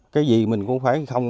cái gì mình cũng phải không